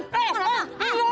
pak aja tinggalin abang